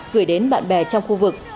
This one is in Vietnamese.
gửi đến bạn bè trong khu vực